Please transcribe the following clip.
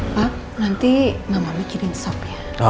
pak nanti mama mikirin sop ya